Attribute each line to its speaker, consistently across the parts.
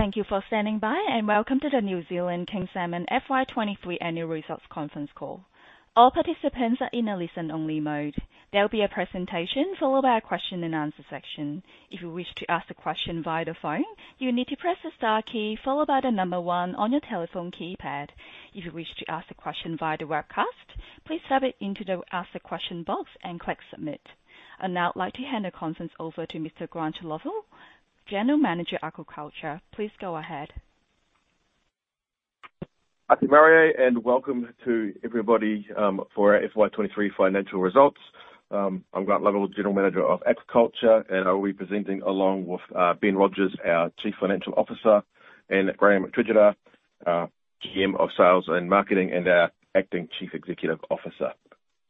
Speaker 1: Thank you for standing by, and welcome to the New Zealand King Salmon FY 2023 annual results conference call. All participants are in a listen only mode. There'll be a presentation followed by a question and answer section. If you wish to ask the question via the phone, you need to press the star key followed by the number 1 on your telephone keypad. If you wish to ask the question via the webcast, please type it into the Ask a Question box and click Submit. I'd now like to hand the conference over to Mr. Grant Lovell, General Manager Aquaculture. Please go ahead.
Speaker 2: Thank you, Maria, and welcome to everybody, for our FY 2023 financial results. I'm Grant Lovell, General Manager of Aquaculture, and I'll be presenting along with Ben Rogers, our Chief Financial Officer, and Graeme Tregidga, GM of Sales and Marketing, and our acting Chief Executive Officer.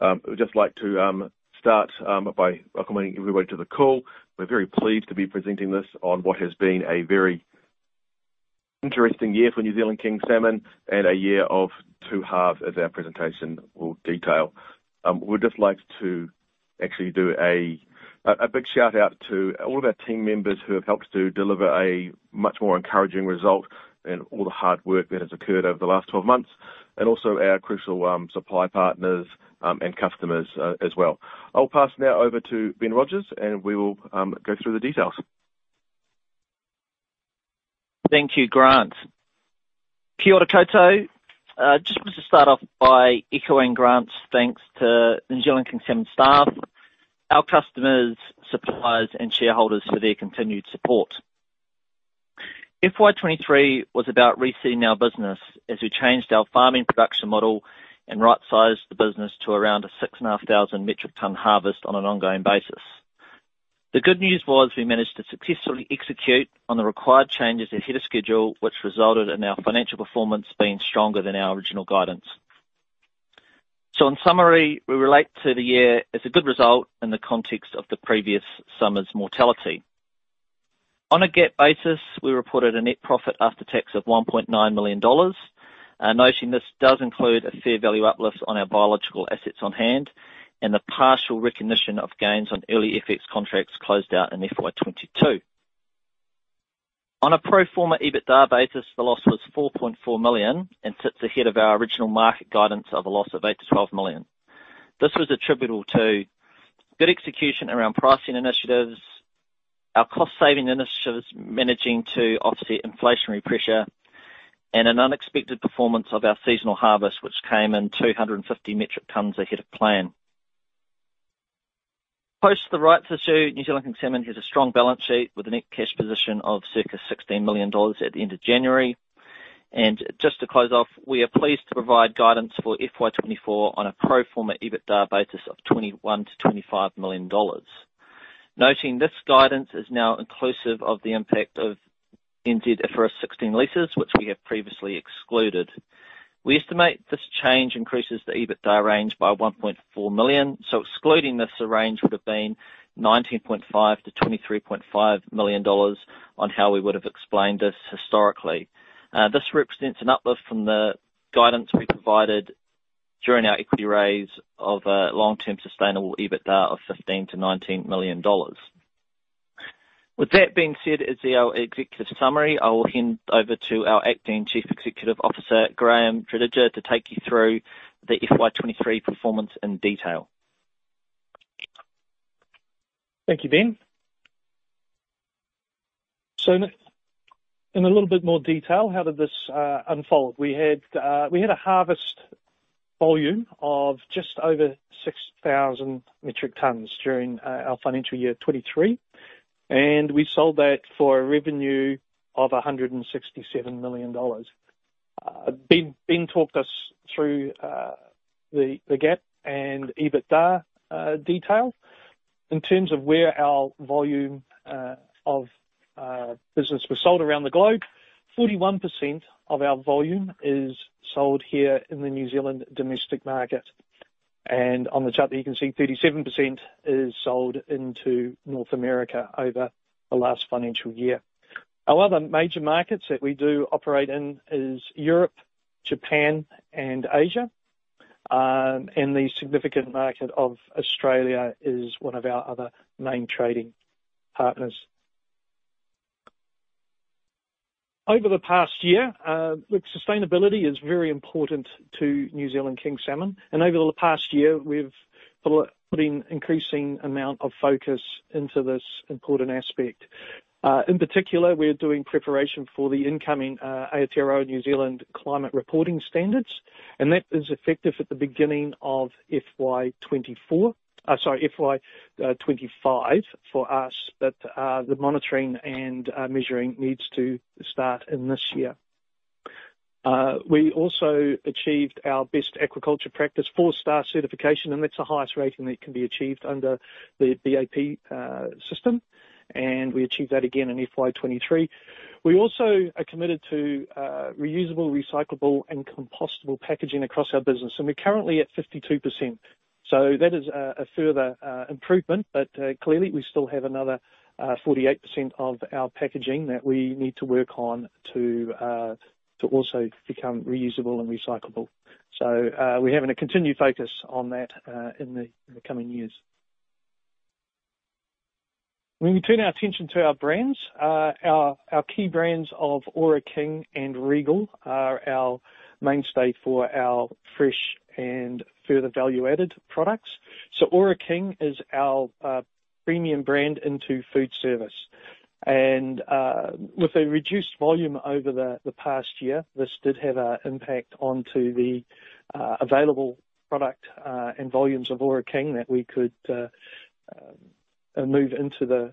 Speaker 2: I'd just like to start by welcoming everybody to the call. We're very pleased to be presenting this on what has been a very interesting year for New Zealand King Salmon, and a year of two halves, as our presentation will detail. We'd just like to actually do a big shout out to all of our team members who have helped to deliver a much more encouraging result and all the hard work that has occurred over the last 12 months, and also our crucial supply partners and customers as well. I'll pass now over to Ben Rogers and we will go through the details.
Speaker 3: Thank you, Grant. Kia ora koutou. Just want to start off by echoing Grant's thanks to New Zealand King Salmon staff, our customers, suppliers and shareholders for their continued support. FY 2023 was about reseeding our business as we changed our farming production model and right-sized the business to around a 6,500 metric ton harvest on an ongoing basis. The good news was we managed to successfully execute on the required changes ahead of schedule, which resulted in our financial performance being stronger than our original guidance. In summary, we relate to the year as a good result in the context of the previous summer's mortality. On a GAAP basis, we reported a net profit after tax of 1.9 million dollars, noting this does include a fair value uplift on our biological assets on hand and the partial recognition of gains on early FX contracts closed out in FY 2022. On a pro forma EBITDA basis, the loss was 4.4 million, and sits ahead of our original market guidance of a loss of 8 million-12 million. This was attributable to good execution around pricing initiatives, our cost saving initiatives managing to offset inflationary pressure, and an unexpected performance of our seasonal harvest, which came in 250 metric tons ahead of plan. Post the rights issue, New Zealand King Salmon has a strong balance sheet with a net cash position of circa 16 million dollars at the end of January. Just to close off, we are pleased to provide guidance for FY 2024 on a pro forma EBITDA basis of 21 million-25 million dollars. Noting this guidance is now inclusive of the impact of NZ IFRS 16 leases, which we have previously excluded. We estimate this change increases the EBITDA range by 1.4 million. Excluding this, the range would have been 19.5 million-23.5 million dollars on how we would have explained this historically. This represents an uplift from the guidance we provided during our equity raise of a long-term sustainable EBITDA of 15 million-19 million dollars. With that being said is our executive summary. I will hand over to our Acting Chief Executive Officer, Graeme Tregidga, to take you through the FY 2023 performance in detail.
Speaker 4: Thank you, Ben. In a, in a little bit more detail, how did this unfold? We had a harvest volume of just over 6,000 metric tons during our financial year 2023, and we sold that for a revenue of 167 million dollars. Ben talked us through the GAAP and EBITDA detail. In terms of where our volume of business was sold around the globe, 41% of our volume is sold here in the New Zealand domestic market. On the chart that you can see, 37% is sold into North America over the last financial year. Our other major markets that we do operate in is Europe, Japan, and Asia. The significant market of Australia is one of our other main trading partners. Over the past year, look, sustainability is very important to New Zealand King Salmon, and over the past year we've put increasing amount of focus into this important aspect. In particular, we're doing preparation for the incoming Aotearoa New Zealand Climate Standards, and that is effective at the beginning of FY 2024. Sorry, FY 2025 for us. The monitoring and measuring needs to start in this year. We also achieved our Best Aquaculture Practices, 4-star certification, and that's the highest rating that can be achieved under the BAP system. We achieved that again in FY 2023. We also are committed to reusable, recyclable and compostable packaging across our business, and we're currently at 52%. That is a further improvement, but clearly we still have another 48% of our packaging that we need to work on to also become reusable and recyclable. We're having a continued focus on that in the coming years. When we turn our attention to our brands, our key brands of Ōra King and Regal are our mainstay for our fresh and further value-added products. Ōra King is our premium brand into food service. With a reduced volume over the past year, this did have a impact onto the available product and volumes of Ōra King that we could move into the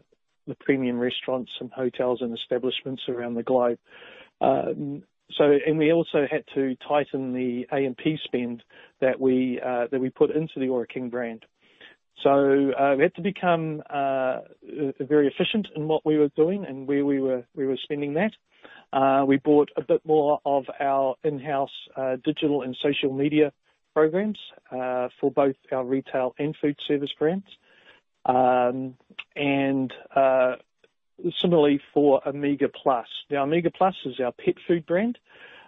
Speaker 4: premium restaurants and hotels and establishments around the globe. And we also had to tighten the A&P spend that we put into the Ōra King brand. We had to become very efficient in what we were doing and where we were spending that. We bought a bit more of our in-house digital and social media programs for both our retail and food service brands. And similarly for Omega Plus. Now, Omega Plus is our pet food brand.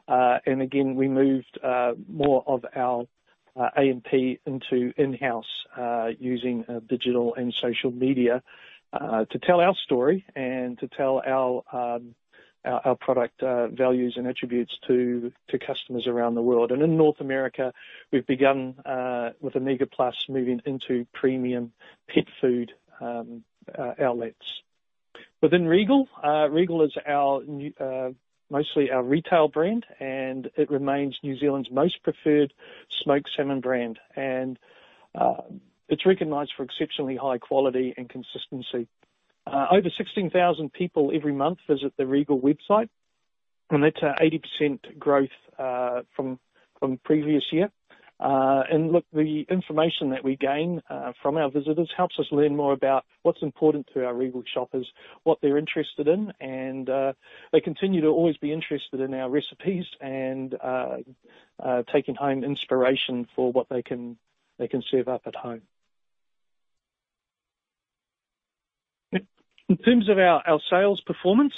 Speaker 4: And again, we moved more of our A&P into in-house using digital and social media to tell our story and to tell our product values and attributes to customers around the world. And in North America, we've begun with Omega Plus moving into premium pet food outlets. Within Regal is our mostly our retail brand. It remains New Zealand's most preferred smoked salmon brand. It's recognized for exceptionally high quality and consistency. Over 16,000 people every month visit the Regal website, that's a 80% growth from previous year. Look, the information that we gain from our visitors helps us learn more about what's important to our Regal shoppers, what they're interested in, they continue to always be interested in our recipes and taking home inspiration for what they can serve up at home. In terms of our sales performance,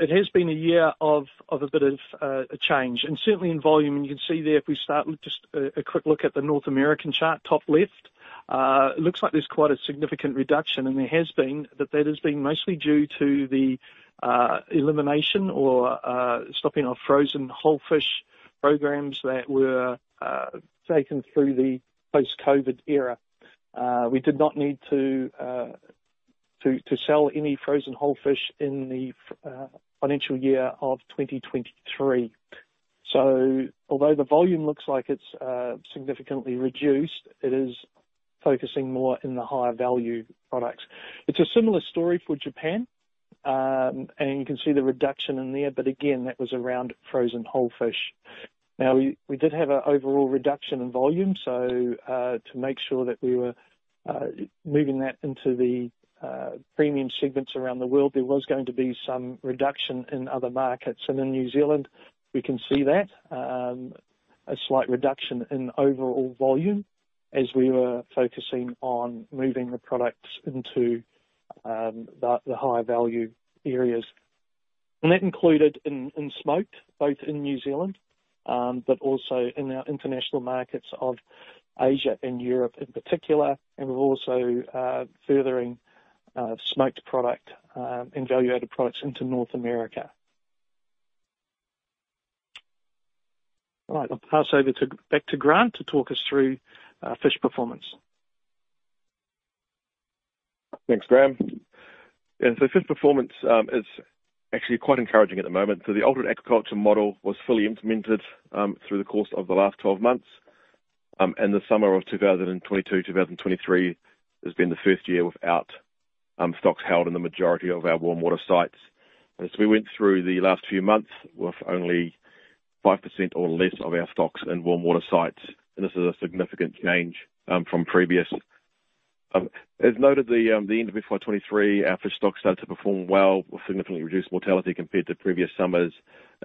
Speaker 4: it has been a year of a bit of a change. Certainly in volume, you can see there if we start with just a quick look at the North American chart, top left. It looks like there's quite a significant reduction. There has been, that has been mostly due to the elimination or stopping of frozen whole fish programs that were taken through the post-COVID era. We did not need to sell any frozen whole fish in the financial year of 2023. Although the volume looks like it's significantly reduced, it is focusing more in the higher value products. It's a similar story for Japan. You can see the reduction in there, again, that was around frozen whole fish. We did have a overall reduction in volume to make sure that we were moving that into the premium segments around the world, there was going to be some reduction in other markets. In New Zealand, we can see that a slight reduction in overall volume as we were focusing on moving the products into the higher value areas. That included in smoked, both in New Zealand, but also in our international markets of Asia and Europe in particular. We're also furthering smoked product and value-added products into North America. All right, I'll pass back to Grant to talk us through fish performance.
Speaker 2: Thanks, Graeme. Fish performance is actually quite encouraging at the moment. The altered aquaculture model was fully implemented through the course of the last 12 months. The summer of 2022, 2023 has been the first year without stocks held in the majority of our warm water sites. We went through the last few months with only 5% or less of our stocks in warm water sites, and this is a significant change from previous. As noted the end of FY 2023, our fish stocks started to perform well with significantly reduced mortality compared to previous summers.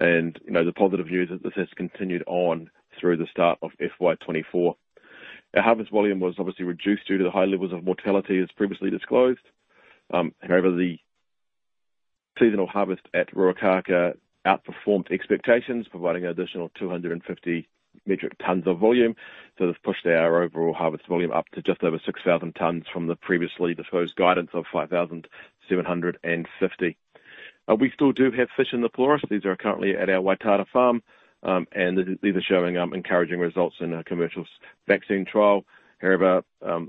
Speaker 2: You know, the positive news is this has continued on through the start of FY 2024. Our harvest volume was obviously reduced due to the high levels of mortality as previously disclosed. However, the seasonal harvest at Ruakaka outperformed expectations, providing an additional 250 metric tons of volume. This pushed our overall harvest volume up to just over 6,000 tons from the previously disclosed guidance of 5,750. We still do have fish in the Pelorus. These are currently at our Waitata farm, and these are showing encouraging results in our commercial vaccine trial. However,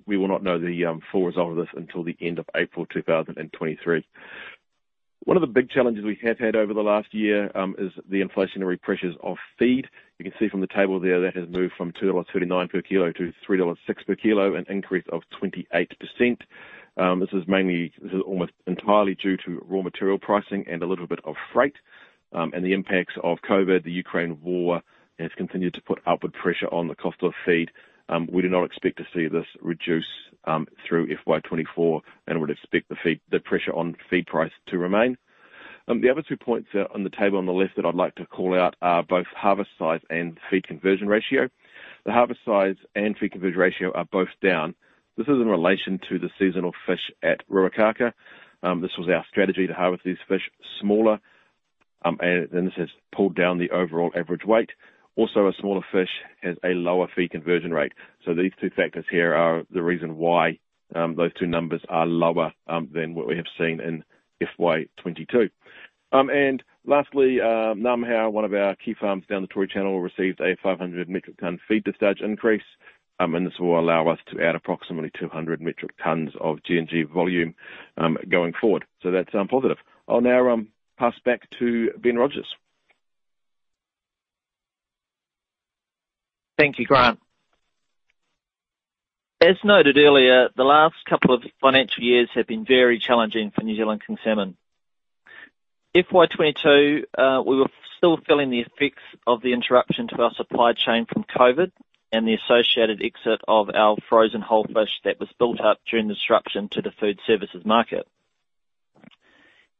Speaker 2: we will not know the full result of this until the end of April 2023. One of the big challenges we have had over the last year is the inflationary pressures of feed. You can see from the table there, that has moved from 2.39 dollars per kilo to 3.06 dollars per kilo, an increase of 28%. This is almost entirely due to raw material pricing and a little bit of freight, and the impacts of COVID. The Ukraine war has continued to put upward pressure on the cost of feed. We do not expect to see this reduce through FY 2024 and would expect the pressure on feed price to remain. The other two points on the table on the left that I'd like to call out are both harvest size and feed conversion ratio. The harvest size and feed conversion ratio are both down. This is in relation to the seasonal fish at Ruakaka. This was our strategy to harvest these fish smaller. This has pulled down the overall average weight. A smaller fish has a lower feed conversion rate. These two factors here are the reason why those two numbers are lower than what we have seen in FY2022. Lastly, Ngamahau, one of our key farms down the Tory Channel, received a 500 metric ton feed discharge increase, and this will allow us to add approximately 200 metric tons of G&G volume going forward. That's positive. I'll now pass back to Ben Rodgers.
Speaker 3: Thank you, Grant. As noted earlier, the last couple of financial years have been very challenging for New Zealand King Salmon. FY 2022, we were still feeling the effects of the interruption to our supply chain from COVID and the associated exit of our frozen whole fish that was built up during the disruption to the food services market.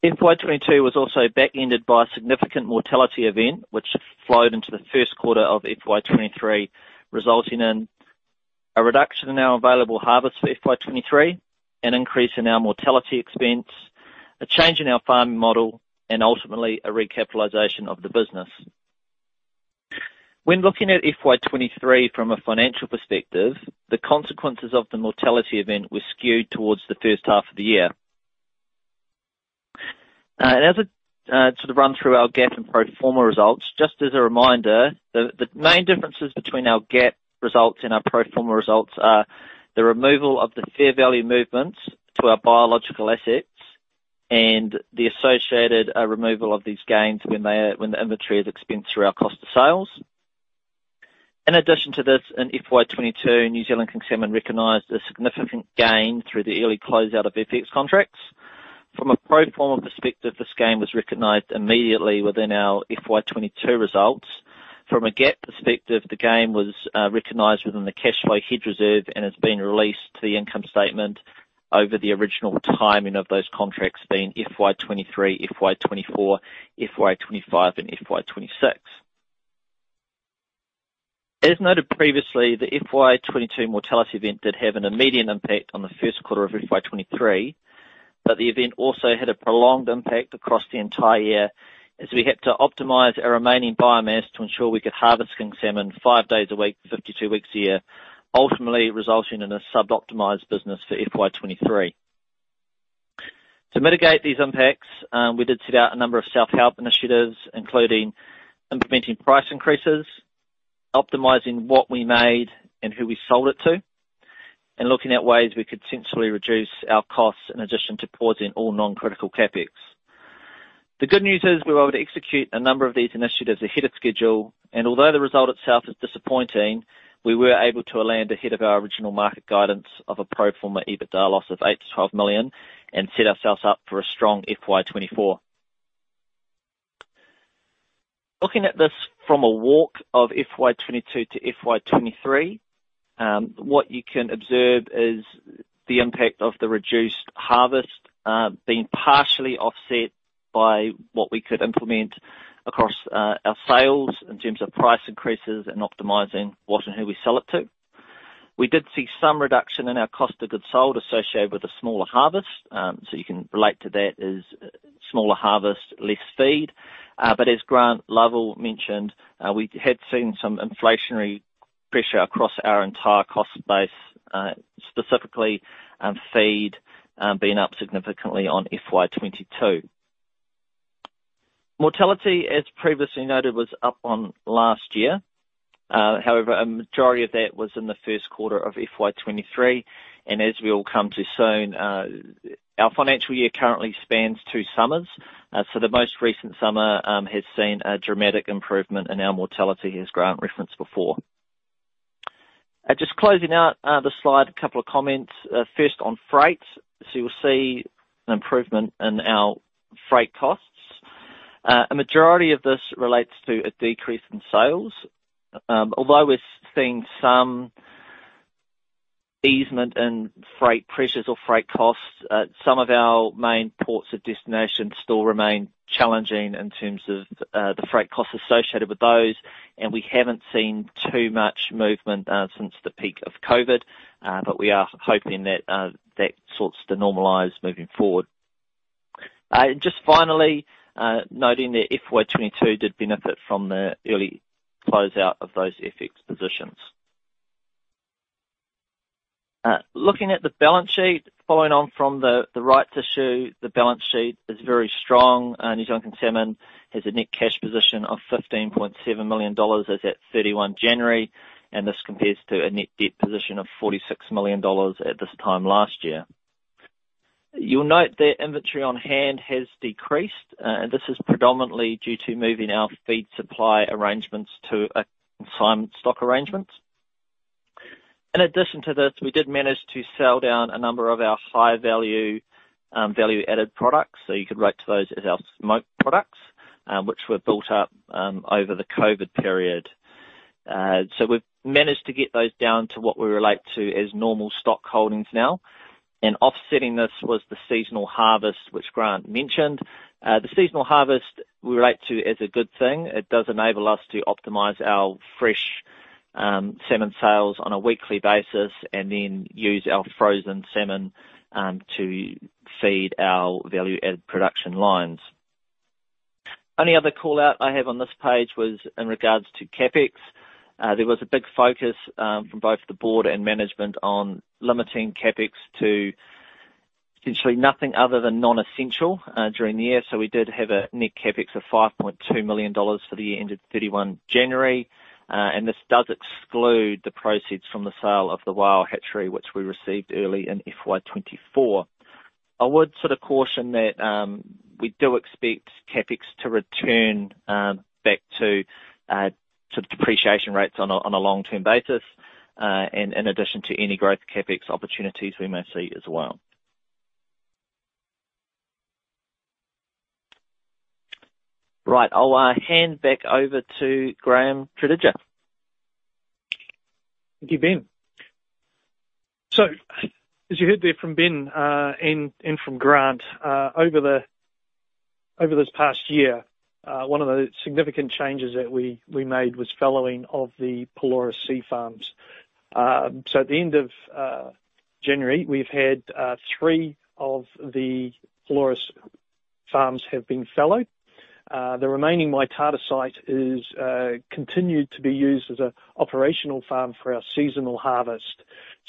Speaker 3: FY 2022 was also back-ended by a significant mortality event which flowed into the first quarter of FY 2023, resulting in a reduction in our available harvest for FY 2023, an increase in our mortality expense, a change in our farming model, and ultimately a recapitalization of the business. When looking at FY 2023 from a financial perspective, the consequences of the mortality event were skewed towards the first half of the year. As I sort of run through our GAAP and pro forma results, just as a reminder, the main differences between our GAAP results and our pro forma results are the removal of the fair value movements to our biological assets and the associated removal of these gains when the inventory is expensed through our cost of sales. In addition to this, in FY 2022, New Zealand King Salmon recognized a significant gain through the early closeout of FX contracts. From a pro forma perspective, this gain was recognized immediately within our FY 2022 results. From a GAAP perspective, the gain was recognized within the cash flow hedge reserve and has been released to the income statement over the original timing of those contracts being FY 2023, FY 2024, FY 2025 and FY 2026. As noted previously, the FY 2022 mortality event did have an immediate impact on the first quarter of FY 2023. The event also had a prolonged impact across the entire year as we had to optimize our remaining biomass to ensure we could harvest king salmon five days a week, 52 weeks a year, ultimately resulting in a sub-optimized business for FY 2023. To mitigate these impacts, we did set out a number of self-help initiatives, including implementing price increases, optimizing what we made and who we sold it to, and looking at ways we could sensibly reduce our costs in addition to pausing all non-critical CapEx. The good news is we were able to execute a number of these initiatives ahead of schedule, and although the result itself is disappointing, we were able to land ahead of our original market guidance of a pro forma EBITDA loss of 8 million-12 million and set ourselves up for a strong FY 2024. Looking at this from a walk of FY 2022 to FY 2023, what you can observe is the impact of the reduced harvest, being partially offset by what we could implement across our sales in terms of price increases and optimizing what and who we sell it to. We did see some reduction in our cost of goods sold associated with the smaller harvest. You can relate to that as smaller harvest, less feed. As Grant Lovell mentioned, we had seen some inflationary pressure across our entire cost base, specifically, feed, being up significantly on FY 2022. Mortality, as previously noted, was up on last year. However, a majority of that was in the first quarter of FY 2023, and as we'll come to soon, our financial year currently spans two summers. The most recent summer has seen a dramatic improvement in our mortality as Grant referenced before. Just closing out the slide, a couple of comments, first on freight. You'll see an improvement in our freight costs. A majority of this relates to a decrease in sales. We're seeing some easement in freight pressures or freight costs, some of our main ports of destination still remain challenging in terms of the freight costs associated with those, and we haven't seen too much movement since the peak of COVID, we are hoping that that starts to normalize moving forward. Just finally, noting that FY 22 did benefit from the early closeout of those FX positions. Looking at the balance sheet, following on from the rights issue, the balance sheet is very strong. New Zealand King Salmon has a net cash position of 15.7 million dollars as at 31 January, and this compares to a net debt position of 46 million dollars at this time last year. You'll note that inventory on hand has decreased, and this is predominantly due to moving our feed supply arrangements to a consignment stock arrangement. In addition to this, we did manage to sell down a number of our high-value, value-added products, so you could relate to those as our smoked products, which were built up over the COVID period. So we've managed to get those down to what we relate to as normal stock holdings now. Offsetting this was the seasonal harvest, which Grant mentioned. The seasonal harvest we relate to as a good thing. It does enable us to optimize our fresh salmon sales on a weekly basis and then use our frozen salmon to feed our value-added production lines. Only other call-out I have on this page was in regards to CapEx. There was a big focus from both the board and management on limiting CapEx to essentially nothing other than non-essential during the year. We did have a net CapEx of 5.2 million dollars for the year ended 31 January. And this does exclude the proceeds from the sale of the Waiau Hatchery, which we received early in FY 2024. I would sort of caution that we do expect CapEx to return back to sort of depreciation rates on a long-term basis. In addition to any growth CapEx opportunities we may see as well. Right. I'll hand back over to Graeme Tregidga.
Speaker 4: Thank you, Ben. As you heard there from Ben and from Grant, over this past year, one of the significant changes that we made was fallowing of the Pelorus sea farms. At the end of January, we've had three of the Pelorus farms have been fallowed. The remaining Maitai site is continued to be used as a operational farm for our seasonal harvest.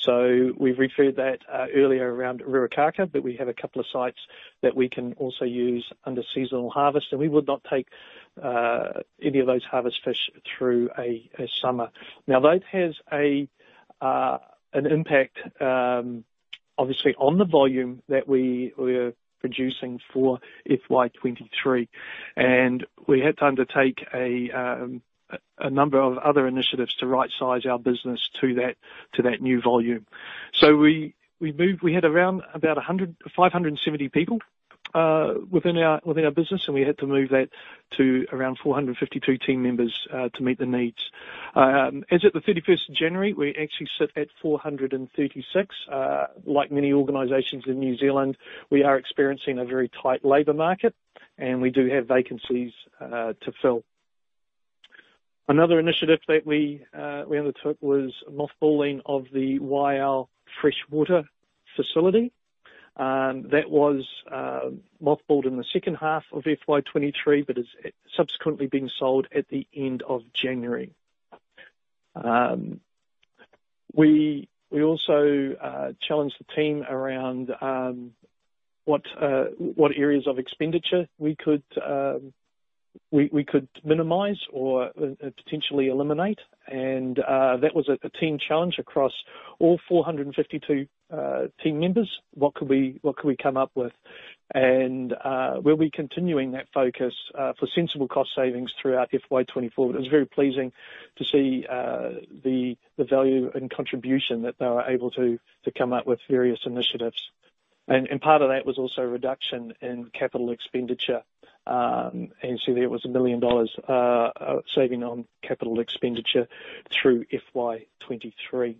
Speaker 4: We've referred that earlier around Ruakaka, but we have a couple of sites that we can also use under seasonal harvest. We would not take any of those harvest fish through a summer. That has an impact, obviously on the volume that we're producing for FY 2023. We had to undertake a number of other initiatives to right-size our business to that new volume. We had around about 570 people within our business, and we had to move that to around 452 team members to meet the needs. As at the 31st of January, we actually sit at 436. Like many organizations in New Zealand, we are experiencing a very tight labor market, and we do have vacancies to fill. Another initiative that we undertook was mothballing of the Waiau freshwater facility. That was mothballed in the second half of FY 2023 but is subsequently being sold at the end of January. We also challenged the team around what areas of expenditure we could minimize or potentially eliminate. That was a team challenge across all 452 team members. What could we come up with? We'll be continuing that focus for sensible cost savings throughout FY 2024. It was very pleasing to see the value and contribution that they were able to come up with various initiatives. Part of that was also reduction in capital expenditure. There was 1 million dollars saving on capital expenditure through FY 2023.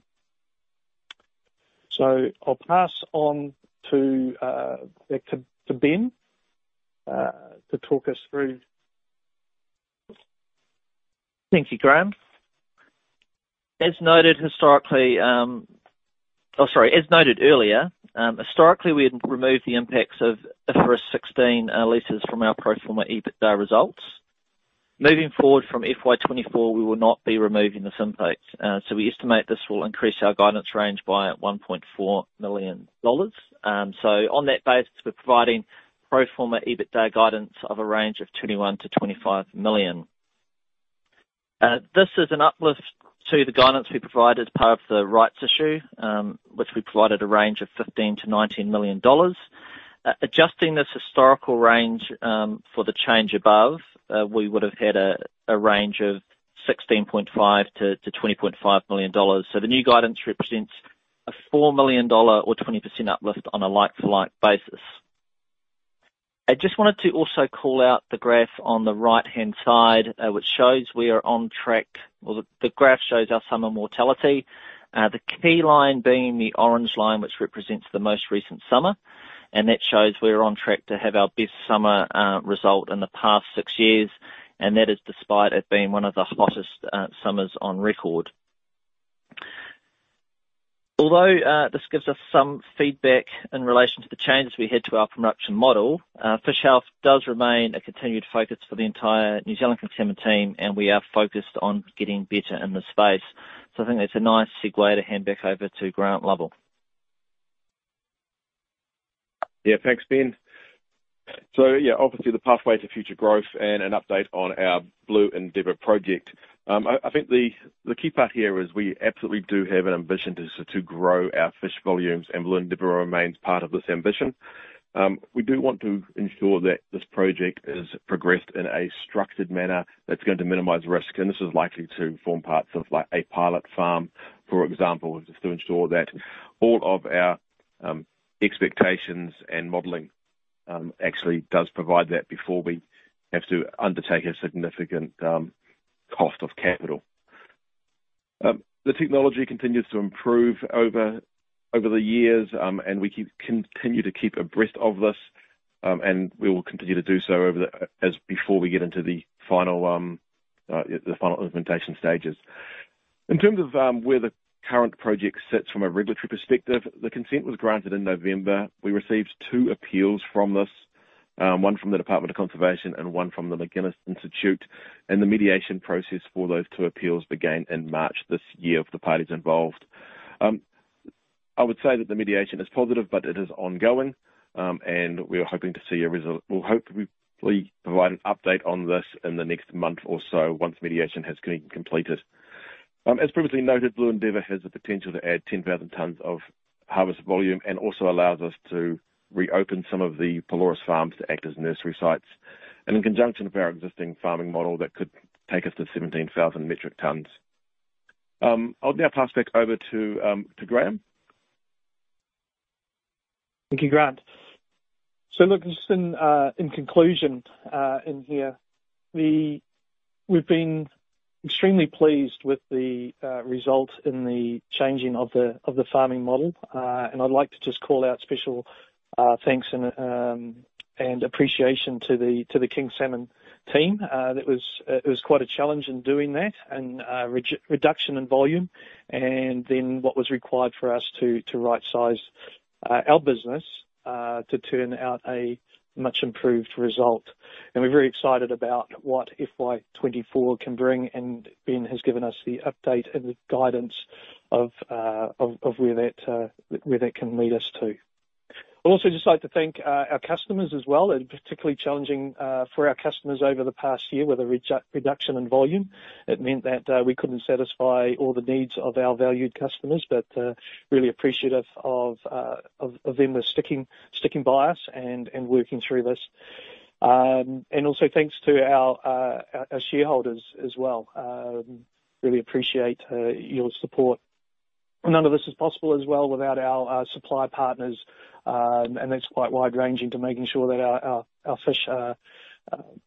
Speaker 4: I'll pass on back to Ben to talk us through.
Speaker 3: Thank you, Graeme. As noted earlier, historically, we had removed the impacts of IFRS 16 leases from our pro forma EBITDA results. Moving forward from FY 2024, we will not be removing this impact. We estimate this will increase our guidance range by 1.4 million dollars. On that basis, we're providing pro forma EBITDA guidance of a range of 21 million-25 million. This is an uplift to the guidance we provided as part of the rights issue, which we provided a range of 15 million-19 million dollars. Adjusting this historical range for the change above, we would've had a range of 16.5 million-20.5 million dollars. The new guidance represents a 4 million dollar or 20% uplift on a like-for-like basis. I just wanted to also call out the graph on the right-hand side, which shows we are on track. Well, the graph shows our summer mortality. The key line being the orange line, which represents the most recent summer, and that shows we're on track to have our best summer result in the past six years, and that is despite it being one of the hottest summers on record. This gives us some feedback in relation to the changes we had to our production model, fish health does remain a continued focus for the entire New Zealand King Salmon team, and we are focused on getting better in this space. I think that's a nice segue to hand back over to Grant Lovell.
Speaker 2: Thanks, Ben. Obviously the pathway to future growth and an update on our Blue Endeavour project. I think the key part here is we absolutely do have an ambition to grow our fish volumes, and Blue Endeavour remains part of this ambition. We do want to ensure that this project is progressed in a structured manner that's going to minimize risk, and this is likely to form parts of, like, a pilot farm, for example, just to ensure that all of our expectations and modeling actually does provide that before we have to undertake a significant cost of capital. The technology continues to improve over the years, and we continue to keep abreast of this. We will continue to do so over the as before we get into the final the final implementation stages. In terms of where the current project sits from a regulatory perspective, the consent was granted in November. We received two appeals from this, one from the Department of Conservation and one from the McGuinness Institute, the mediation process for those two appeals began in March this year with the parties involved. I would say that the mediation is positive, but it is ongoing, we are hoping to see a result. We'll hopefully provide an update on this in the next month or so once mediation has been completed. As previously noted, Blue Endeavour has the potential to add 10,000 tons of harvest volume and also allows us to reopen some of the Pelorus farms to act as nursery sites. In conjunction with our existing farming model, that could take us to 17,000 metric tons. I'll now pass back over to to Graeme.
Speaker 4: Thank you, Grant. Just in conclusion, in here, we've been extremely pleased with the result in the changing of the farming model. I'd like to just call out special thanks and appreciation to the King Salmon team. That was, it was quite a challenge in doing that and reduction in volume and then what was required for us to right-size our business to turn out a much improved result. We're very excited about what FY 2024 can bring, Ben has given us the update and the guidance of where that can lead us to. I'd also just like to thank our customers as well. Particularly challenging for our customers over the past year with a reduction in volume. It meant that we couldn't satisfy all the needs of our valued customers, but really appreciative of them sticking by us and working through this. Also thanks to our shareholders as well. Really appreciate your support. None of this is possible as well without our supply partners, and that's quite wide-ranging to making sure that our fish are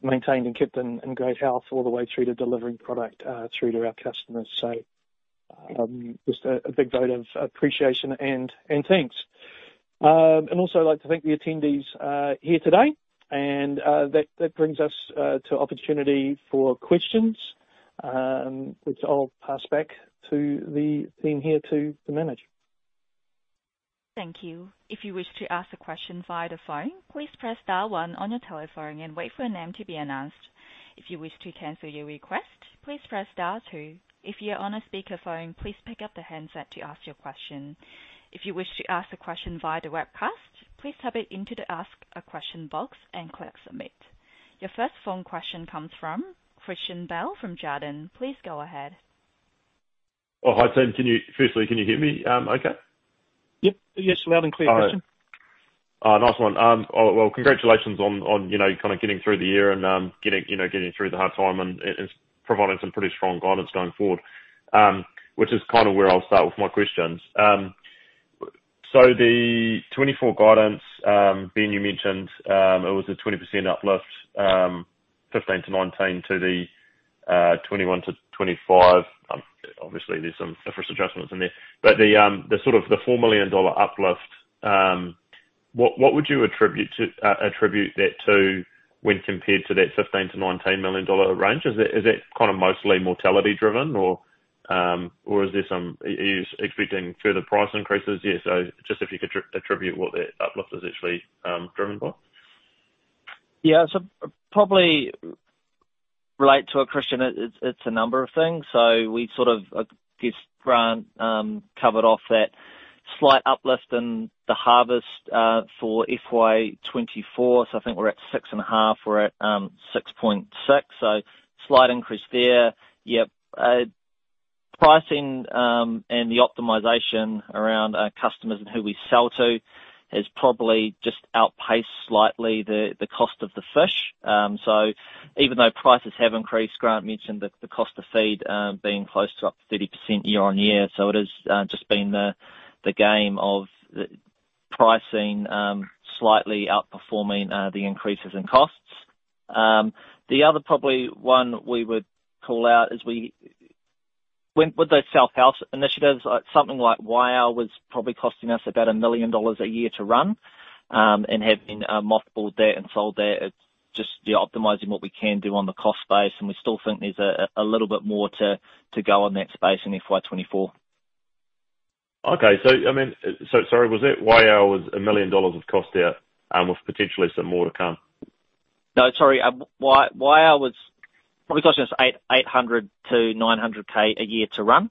Speaker 4: maintained and kept in great health all the way through to delivering product through to our customers. Just a big vote of appreciation and thanks. Also I'd like to thank the attendees here today, and that brings us to opportunity for questions, which I'll pass back to the team here to manage.
Speaker 1: Thank you. If you wish to ask a question via the phone, please press dial 1 on your telephone and wait for your name to be announced. If you wish to cancel your request, please press dial 2. If you're on a speakerphone, please pick up the handset to ask your question. If you wish to ask a question via the webcast, please type it into the Ask a Question box and click Submit. Your first phone question comes from Christian Bell from Jarden. Please go ahead.
Speaker 5: Oh, hi, team. Firstly, can you hear me, okay?
Speaker 4: Yep. Yes, loud and clear, Christian.
Speaker 5: All right. Nice one. Well, congratulations on, you know, kind of getting through the year and getting through the hard time and providing some pretty strong guidance going forward, which is kind of where I'll start with my questions. The 2024 guidance, Ben, you mentioned it was a 20% uplift, 15 million-19 million to the 21 million-25 million. Obviously there's some fortress adjustments in there, the sort of the 4 million dollar uplift, what would you attribute that to when compared to that 15 million-19 million dollar range? Is it kind of mostly mortality driven or are you expecting further price increases? Just if you could attribute what that uplift is actually driven by.
Speaker 3: Yeah. Probably relate to it, Christian, it's a number of things. We sort of, I guess Grant, covered off that slight uplift in the harvest, for FY 2024. I think we're at 6.5%. We're at, 6.6%, so slight increase there. Pricing, and the optimization around our customers and who we sell to has probably just outpaced slightly the cost of the fish. Even though prices have increased, Grant mentioned the cost of feed, being close to up 30% year-on-year. It has, just been the game of pricing, slightly outperforming, the increases in costs. The other probably one we would call out is we... When with those south house initiatives, something like Waiau was probably costing us about 1 million dollars a year to run, and having mothballed that and sold that, it's just optimizing what we can do on the cost base, and we still think there's a little bit more to go on that space in FY 2024.
Speaker 5: I mean, sorry, was that Waiau was 1 million dollars of cost out, with potentially some more to come?
Speaker 3: No, sorry. Waiau was probably costing us 800,000-900,000 a year to run.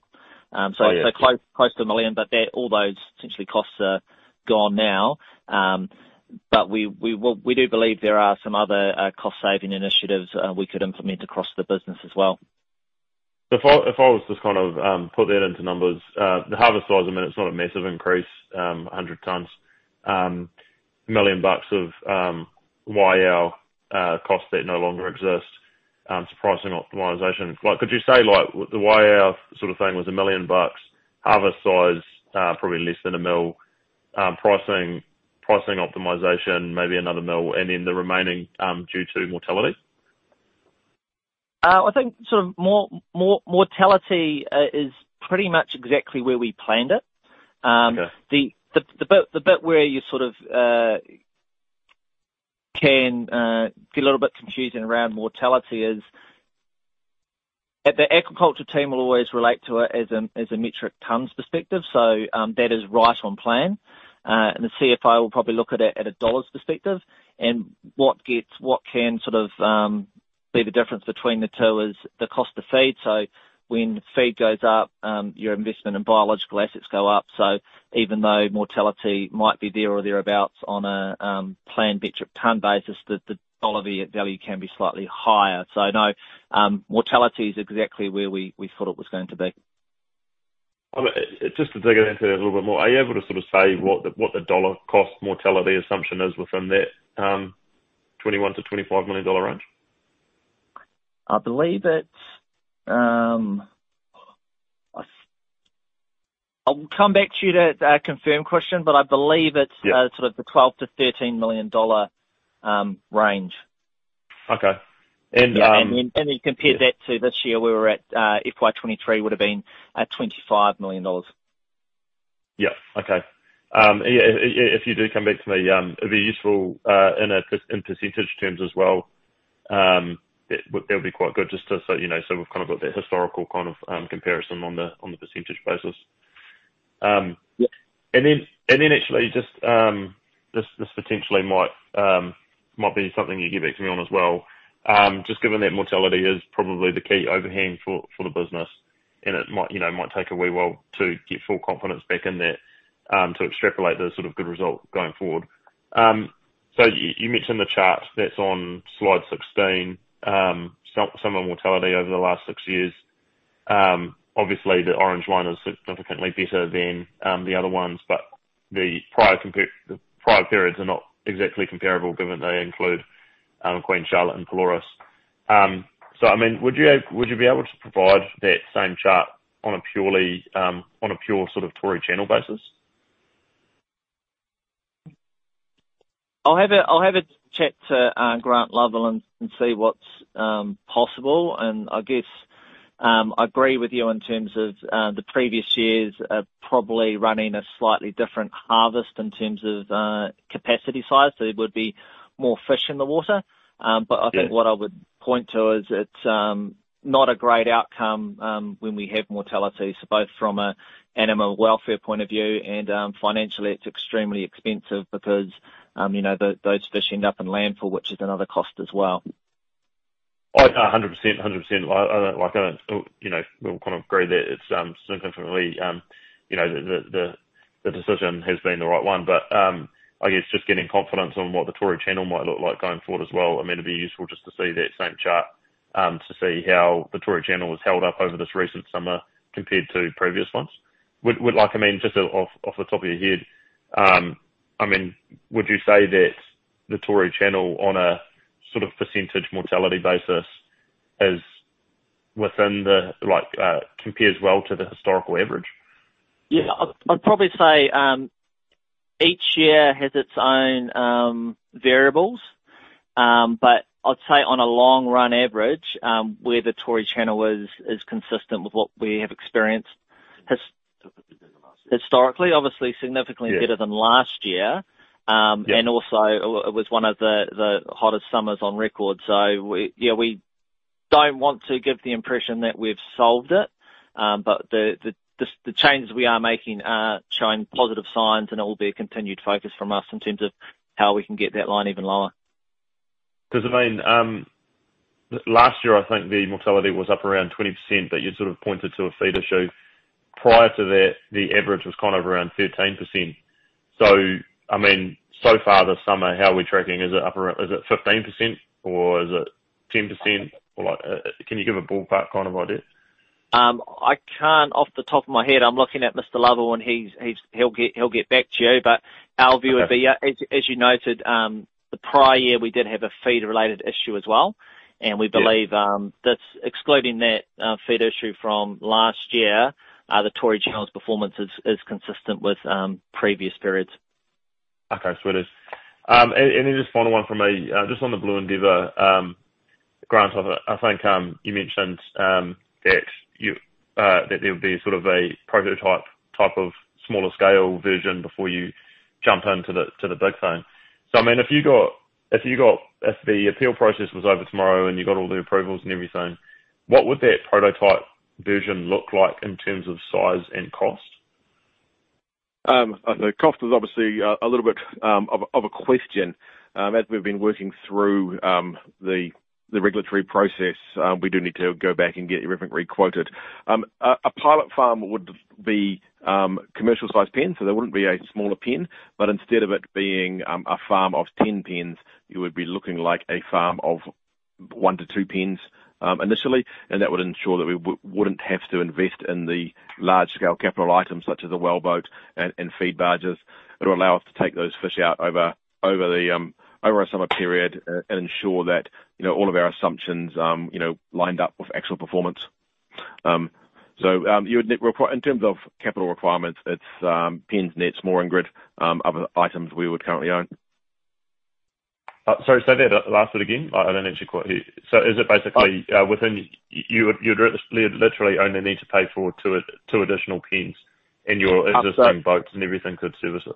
Speaker 5: Oh, yes.
Speaker 3: Close to 1 million, all those essentially costs are gone now. We do believe there are some other cost-saving initiatives we could implement across the business as well.
Speaker 5: If I was to kind of, put that into numbers, the harvest size, I mean, it's not a massive increase, 100 tons. 1 million bucks of Waiau cost that no longer exists. Surprising optimization. Like, could you say the Waiau sort of thing was 1 million bucks, harvest size, probably less than 1 million, pricing optimization may be another 1 million, and then the remaining, due to mortality?
Speaker 3: I think sort of mortality is pretty much exactly where we planned it.
Speaker 5: Okay.
Speaker 3: The bit where you sort of can feel a little bit confusing around mortality is. The agriculture team will always relate to it as a metric tons perspective. That is right on plan. The CFO will probably look at it at a dollars perspective and what can sort of be the difference between the two is the cost of feed. When feed goes up, your investment and biological assets go up. Even though mortality might be there or thereabouts on a planned metric ton basis, the dollar v-value can be slightly higher. No, mortality is exactly where we thought it was going to be.
Speaker 5: Just to dig into that a little bit more, are you able to sort of say what the, what the dollar cost mortality assumption is within that, 21 million-25 million dollar range?
Speaker 3: I believe it's, I'll come back to you to confirm question, but I believe it's-
Speaker 5: Yeah.
Speaker 3: sort of the 12 million-13 million dollar range.
Speaker 5: Okay.
Speaker 3: Yeah. Then compare that to this year we were at, FY 2023 would've been at 25 million dollars.
Speaker 5: Yeah. Okay. Yeah, if you do come back to me, it'd be useful in percentage terms as well. That would be quite good just to sort, you know, so we've kind of got that historical kind of comparison on the percentage basis.
Speaker 3: Yeah.
Speaker 5: Actually just, this potentially might be something you get back to me on as well. Just given that mortality is probably the key overhand for the business and it might, you know, might take a wee while to get full confidence back in that to extrapolate the sort of good result going forward. You mentioned the chart that's on slide 16, summer mortality over the last six years. Obviously the orange line is significantly better than the other ones, but the prior periods are not exactly comparable given they include Queen Charlotte and Pelorus. I mean, would you be able to provide that same chart on a purely, on a pure sort of Tory Channel basis?
Speaker 3: I'll have a chat to Grant Lovell and see what's possible. I guess, I agree with you in terms of the previous years, probably running a slightly different harvest in terms of capacity size. It would be more fish in the water. I think.
Speaker 5: Yeah.
Speaker 3: What I would point to is it's not a great outcome when we have mortality. Both from a animal welfare point of view and financially, it's extremely expensive because, you know, those fish end up in landfill, which is another cost as well.
Speaker 5: 100%. I don't like, I don't, you know, we'll kind of agree that it's significantly, you know, the decision has been the right one. I guess just getting confidence on what the Tory Channel might look like going forward as well. It'd be useful just to see that same chart to see how the Tory Channel has held up over this recent summer compared to previous ones. Would like, just off the top of your head, would you say that the Tory Channel on a sort of percentage mortality basis is within the, like, compares well to the historical average?
Speaker 3: Yeah. I'd probably say each year has its own variables. I'd say on a long run average, where the Tory Channel is consistent with what we have experienced.
Speaker 5: Significantly better than last year.
Speaker 3: Historically, obviously significantly better than last year.
Speaker 5: Yeah.
Speaker 3: Also it was one of the hottest summers on record. We don't want to give the impression that we've solved it. The changes we are making are showing positive signs and it will be a continued focus from us in terms of how we can get that line even lower.
Speaker 5: I mean, last year, I think the mortality was up around 20%, but you sort of pointed to a feed issue. Prior to that, the average was kind of around 13%. I mean, so far this summer, how are we tracking? Is it up around, is it 15% or is it 10%? Or like, can you give a ballpark kind of idea?
Speaker 3: I can't off the top of my head. I'm looking at Mr. Lovell and he's he'll get back to you. our view would be-.
Speaker 5: Okay.
Speaker 3: Yeah. As you noted, the prior year we did have a feed related issue as well.
Speaker 5: Yeah.
Speaker 3: We believe, that's excluding that, feed issue from last year, the Tory Channel's performance is consistent with previous periods.
Speaker 5: Okay. Sweet as. Just final one from me, just on the Blue Endeavour, Grant, I think, you mentioned that you, that there would be sort of a prototype type of smaller scale version before you jump into the, to the big thing. I mean, if you got, if the appeal process was over tomorrow and you got all the approvals and everything, what would that prototype version look like in terms of size and cost?
Speaker 2: The cost is obviously a little bit of a question. As we've been working through the regulatory process, we do need to go back and get everything requoted. A pilot farm would be commercial sized pen, so there wouldn't be a smaller pen. Instead of it being a farm of 10 pens, it would be looking like a farm of 1-2 pens, initially. That would ensure that we wouldn't have to invest in the large scale capital items such as a well boat and feed barges. It'll allow us to take those fish out over the over a summer period and ensure that, you know, all of our assumptions, you know, lined up with actual performance. In terms of capital requirements, it's pens, nets, mooring grid, other items we would currently own.
Speaker 5: Sorry, say that last bit again. I didn't actually quite hear you. Is it basically, within you would, you'd literally only need to pay for two additional pens in your existing boats and everything could service it?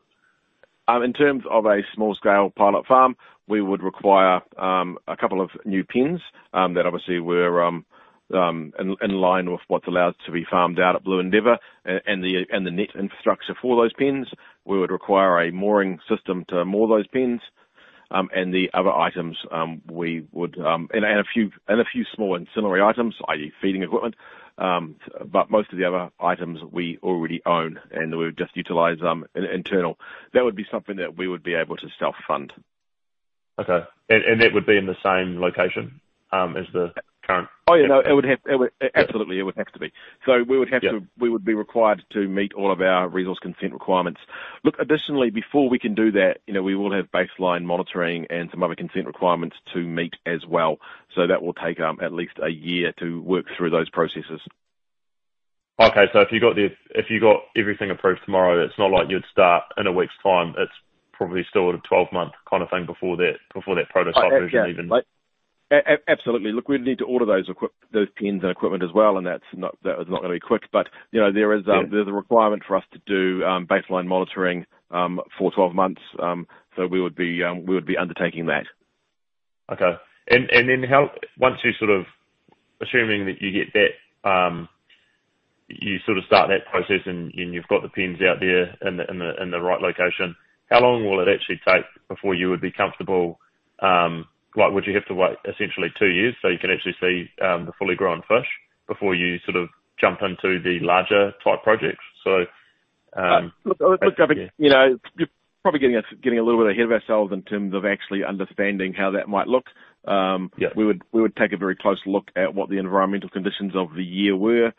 Speaker 2: In terms of a small scale pilot farm, we would require a couple of new pens, that obviously were in line with what's allowed to be farmed out at Blue Endeavour and the net infrastructure for those pens. We would require a mooring system to moor those pens, and the other items. A few small ancillary items, i.e. feeding equipment, but most of the other items we already own, and we would just utilize them internal. That would be something that we would be able to self-fund.
Speaker 5: Okay. That would be in the same location, as the.
Speaker 2: Oh, yeah. No, it would have, it would absolutely.
Speaker 5: Yeah.
Speaker 2: It would have to be. We would have to-
Speaker 5: Yeah.
Speaker 2: We would be required to meet all of our resource consent requirements. Look, additionally, before we can do that, you know, we will have baseline monitoring and some other consent requirements to meet as well. That will take, at least a year to work through those processes.
Speaker 5: Okay. If you got everything approved tomorrow, it's not like you'd start in a week's time. It's probably still at a 12-month kind of thing before that, before that prototype version even.
Speaker 2: Absolutely. Look, we'd need to order those pens and equipment as well, and that's not, that is not gonna be quick. You know, there is.
Speaker 5: Yeah.
Speaker 2: There's a requirement for us to do, baseline monitoring, for 12 months. We would be undertaking that.
Speaker 5: Okay. Then how, once you sort of assuming that you get that, you sort of start that process and you've got the pens out there in the right location, how long will it actually take before you would be comfortable, like would you have to wait essentially two years so you can actually see the fully grown fish before you sort of jump into the larger type projects?
Speaker 2: Look, I think, you know, you're probably getting us, getting a little bit ahead of ourselves in terms of actually understanding how that might look.
Speaker 5: Yeah.
Speaker 2: We would take a very close look at what the environmental conditions of the year were.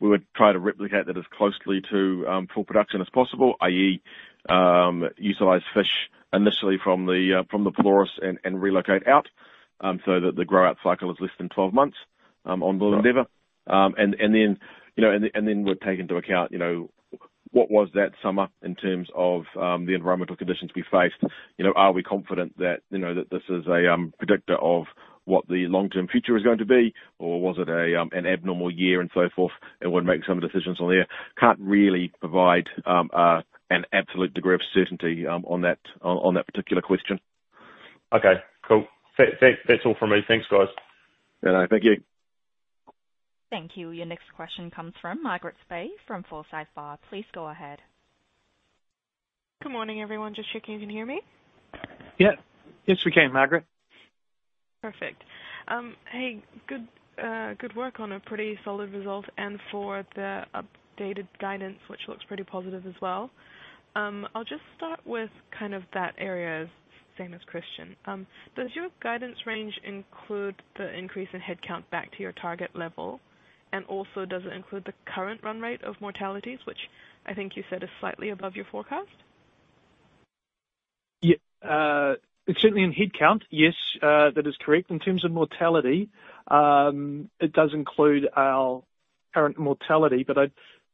Speaker 2: We would try to replicate that as closely to full production as possible, i.e., utilize fish initially from the Pelorus and relocate out so that the grow out cycle is less than 12 months on Blue Endeavour.
Speaker 5: Right.
Speaker 2: Then, you know, and then we'll take into account, you know, what was that summer in terms of, the environmental conditions we faced. You know, are we confident that, you know, that this is a, predictor of what the long-term future is going to be? Was it a, an abnormal year and so forth, and we'll make some decisions on there. Can't really provide, an absolute degree of certainty, on that particular question.
Speaker 5: Okay, cool. That's all from me. Thanks, guys.
Speaker 2: All right. Thank you.
Speaker 1: Thank you. Your next question comes from Margaret Bei from Forsyth Barr. Please go ahead.
Speaker 6: Good morning, everyone. Just checking you can hear me.
Speaker 2: Yeah. Yes, we can, Margaret.
Speaker 6: Perfect. hey, good work on a pretty solid result and for the updated guidance, which looks pretty positive as well. I'll just start with kind of that area, same as Christian. Does your guidance range include the increase in headcount back to your target level? Also, does it include the current run rate of mortalities, which I think you said is slightly above your forecast?
Speaker 4: Yeah. Certainly in headcount, yes. That is correct. In terms of mortality, it does include our current mortality.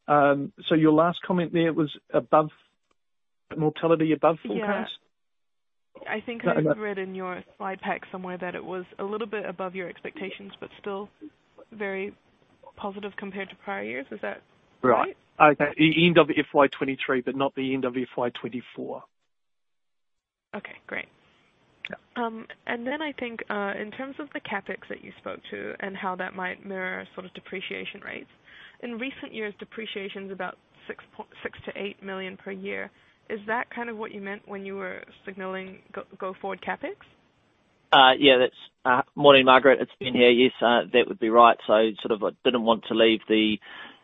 Speaker 4: Your last comment there was above mortality, above forecast?
Speaker 6: Yeah.
Speaker 4: No.
Speaker 6: I think I read in your slide pack somewhere that it was a little bit above your expectations, but still very positive compared to prior years. Is that right?
Speaker 4: Right. Okay. The end of FY 2023, but not the end of FY 2024.
Speaker 6: Okay, great.
Speaker 4: Yeah.
Speaker 6: I think, in terms of the CapEx that you spoke to and how that might mirror sort of depreciation rates. In recent years, depreciation's about 6 million-8 million per year. Is that kind of what you meant when you were signaling go forward CapEx?
Speaker 3: Yeah. That's. Morning, Margaret. [It's good to here you]. Yes, that would be right. Sort of didn't want to leave the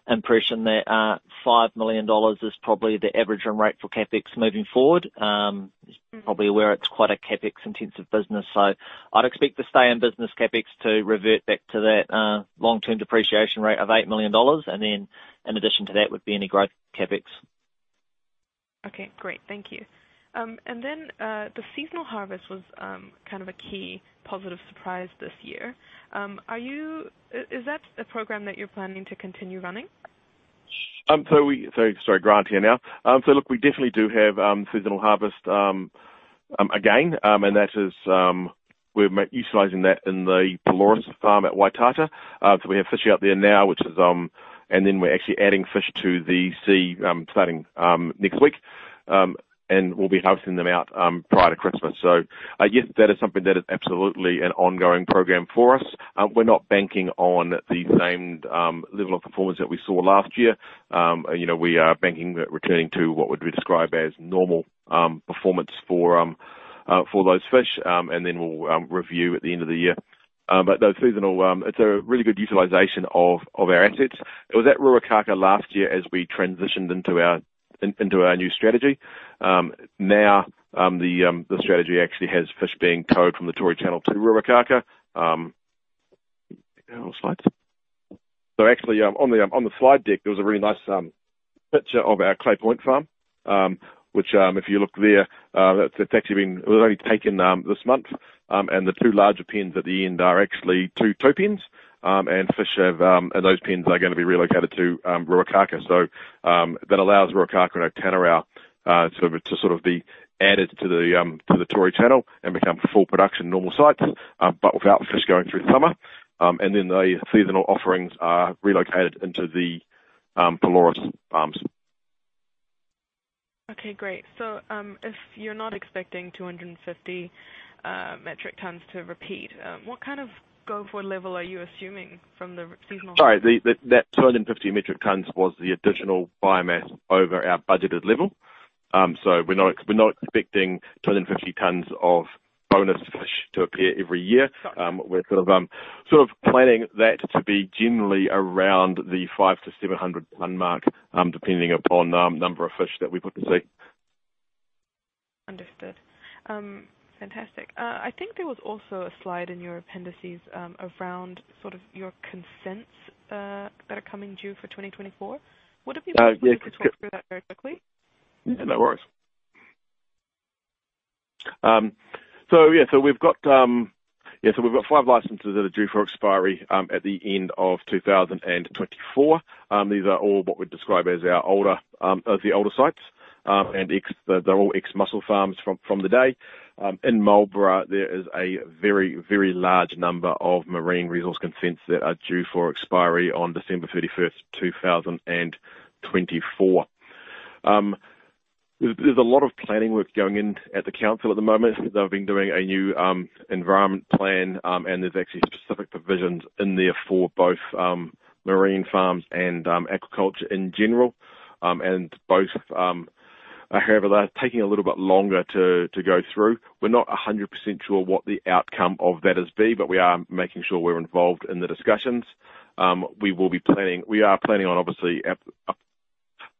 Speaker 3: impression that 5 million dollars is probably the average run rate for CapEx moving forward.
Speaker 6: Mm.
Speaker 3: You're probably aware it's quite a CapEx intensive business. I'd expect the stay in business CapEx to revert back to that long-term depreciation rate of 8 million dollars. Then in addition to that would be any growth CapEx.
Speaker 6: Okay, great. Thank you. The seasonal harvest was kind of a key positive surprise this year. Is that a program that you're planning to continue running?
Speaker 2: Sorry, Grant here now. Look, we definitely do have seasonal harvest again, and that is, we're utilizing that in the Pelorus farm at Waitata. We have fish out there now, which is... We're actually adding fish to the sea, starting next week. We'll be harvesting them out prior to Christmas. Yes, that is something that is absolutely an ongoing program for us. We're not banking on the same level of performance that we saw last year. You know, we are banking that returning to what would be described as normal performance for those fish. We'll review at the end of the year. The seasonal, it's a really good utilization of our assets. It was at Ruakaka last year as we transitioned into our new strategy. Now, the strategy actually has fish being towed from the Tory Channel to Ruakaka. On the slides. Actually, on the slide deck, there was a really nice picture of our Clay Point farm, which, if you look there, that's actually been, it was only taken this month. The two larger pens at the end are actually two tow pens. Those pens are gonna be relocated to Ruakaka. That allows Ruakaka and Otanerau, so to sort of be added to the Tory Channel and become full production normal sites, but without fish going through summer. The seasonal offerings are relocated into the Pelorus Farms.
Speaker 6: Okay, great. If you're not expecting 250 metric tons to repeat, what kind of go-forward level are you assuming from the seasonal-
Speaker 2: All right. That 250 metric tons was the additional biomass over our budgeted level. We're not, we're not expecting 250 tons of bonus fish to appear every year. We're sort of planning that to be generally around the 500-700 ton mark, depending upon, number of fish that we put to sea.
Speaker 6: Understood. Fantastic. I think there was also a slide in your appendices, around sort of your consents, that are coming due for 2024.
Speaker 2: Yeah.
Speaker 6: to talk through that very quickly?
Speaker 2: No worries. We've got 5 licenses that are due for expiry at the end of 2024. These are all what we describe as our older sites. They're all ex-mussel farms from the day. In Marlborough, there is a very, very large number of marine resource consents that are due for expiry on December 31st, 2024. There's a lot of planning work going in at the council at the moment. They've been doing a new environment plan, and there's actually specific provisions in there for both marine farms and agriculture in general. However, they're taking a little bit longer to go through. We're not 100% sure what the outcome of that is be, but we are making sure we're involved in the discussions. We are planning on obviously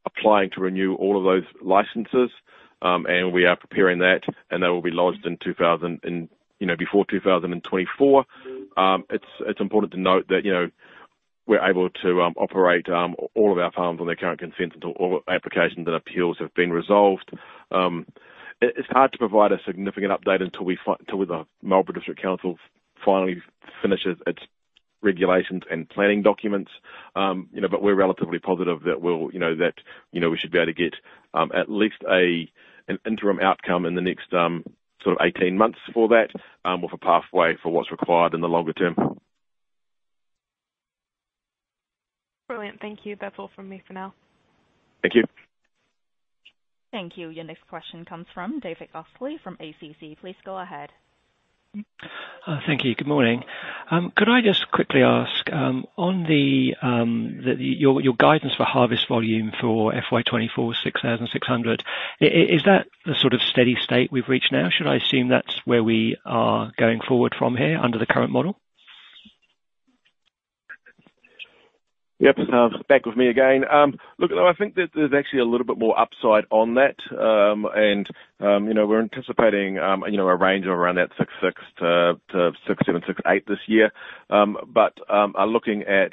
Speaker 2: applying to renew all of those licenses, and we are preparing that, and they will be lodged in 2000 and... You know, before 2024. It's, it's important to note that, you know, we're able to operate all of our farms on their current consents until all applications and appeals have been resolved. It's hard to provide a significant update until the Marlborough District Council finally finishes its regulations and planning documents. You know, we're relatively positive that we'll, you know, that, you know, we should be able to get at least an interim outcome in the next, sort of 18 months for that, with a pathway for what's required in the longer term.
Speaker 6: Brilliant. Thank you. That's all from me for now.
Speaker 2: Thank you.
Speaker 1: Thank you. Your next question comes from David Iverson from ACC. Please go ahead.
Speaker 7: Thank you. Good morning. Could I just quickly ask, on your guidance for harvest volume for FY 2024, 6,600 ton. Is that the sort of steady state we've reached now? Should I assume that's where we are going forward from here under the current model?
Speaker 2: Yep. Back with me again. Look, though, I think that there's actually a little bit more upside on that. You know, we're anticipating, you know, a range of around that 6,600 ton to 6,700 ton-6,800 ton this year. Are looking at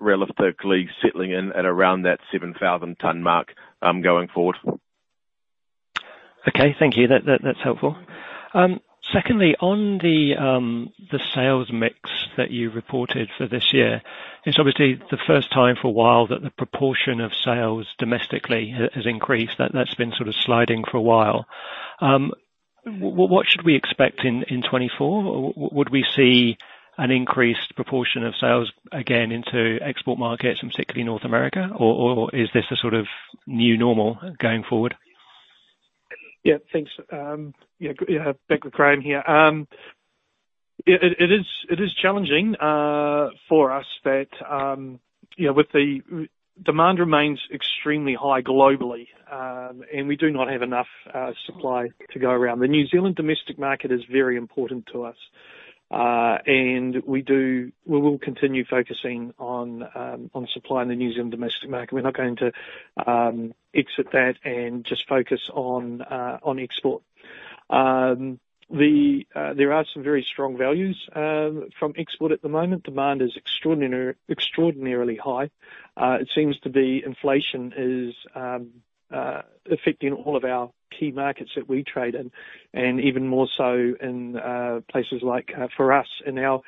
Speaker 2: realistically settling in at around that 7,000 ton mark, going forward.
Speaker 7: Okay. Thank you. That's helpful. Secondly, on the sales mix that you reported for this year. It's obviously the first time for a while that the proportion of sales domestically has increased. That's been sort of sliding for a while. What should we expect in 2024? Would we see an increased proportion of sales again into export markets, and particularly North America? Or is this the sort of new normal going forward?
Speaker 4: Yeah. Thanks. Back with Graeme here. It is challenging for us that, you know, Demand remains extremely high globally. We do not have enough supply to go around. The New Zealand domestic market is very important to us. We will continue focusing on supply in the New Zealand domestic market. We're not going to exit that and just focus on export. There are some very strong values from export at the moment. Demand is extraordinarily high. It seems to be inflation is affecting all of our key markets that we trade in, and even more so in places like for us in our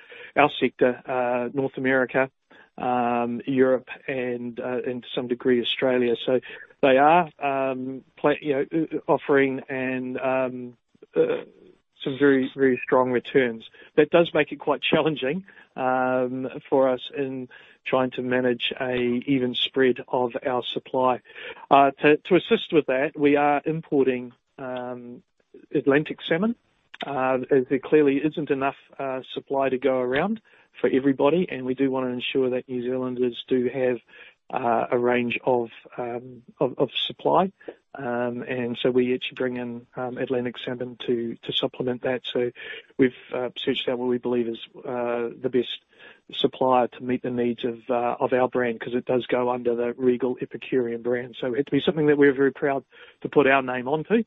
Speaker 4: sector, North America, Europe and to some degree, Australia. They are you know offering some very, very strong returns. That does make it quite challenging for us in trying to manage a even spread of our supply. To assist with that, we are importing Atlantic salmon, as there clearly isn't enough supply to go around for everybody, and we do wanna ensure that New Zealanders do have a range of of supply. We actually bring in Atlantic salmon to supplement that. We've searched out what we believe is the best supplier to meet the needs of our brand, 'cause it does go under the Regal Epicurean brand. It had to be something that we're very proud to put our name onto.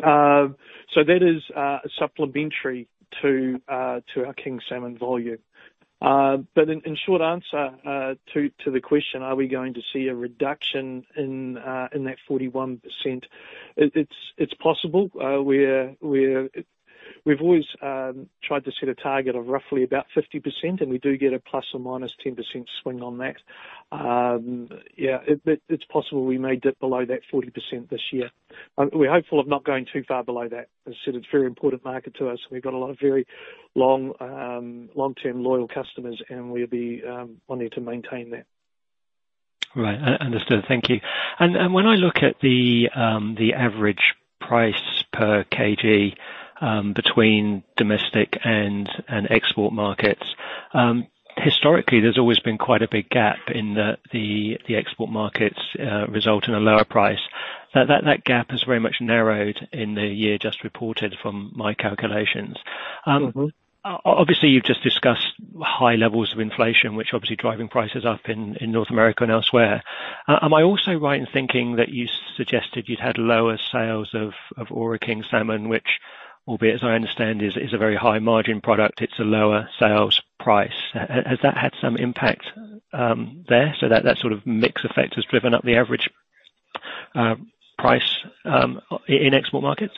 Speaker 4: That is supplementary to our king salmon volume. In short answer to the question, are we going to see a reduction in that 41%? It's possible. We've always tried to set a target of roughly about 50%, and we do get a ±10% swing on that. It's possible we may dip below that 40% this year. We're hopeful of not going too far below that. As I said, it's a very important market to us, and we've got a lot of very long, long-term loyal customers, and we'll be wanting to maintain that.
Speaker 7: Right. Understood. Thank you. When I look at the average price per kg between domestic and export markets, historically, there's always been quite a big gap in the export markets, result in a lower price. That gap has very much narrowed in the year just reported from my calculations.
Speaker 4: Mm-hmm.
Speaker 7: Obviously, you've just discussed high levels of inflation, which obviously driving prices up in North America and elsewhere. Am I also right in thinking that you suggested you'd had lower sales of Ōra King salmon, which, albeit as I understand, is a very high margin product, it's a lower sales price? Has that had some impact there? That sort of mix effect has driven up the average price in export markets?